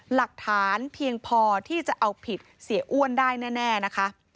หลักฐานเพียงพอที่จะเอาผิดเสียอ้วนได้แน่นะคะ